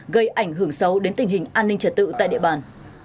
gây ảnh hưởng xấu đến tình hình an ninh trật tự tại địa bàn